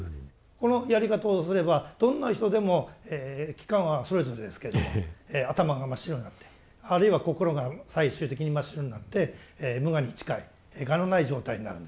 このやり方をすればどんな人でも期間はそれぞれですけども頭が真っ白になってあるいは心が最終的に真っ白になって無我に近い我のない状態になるんですね。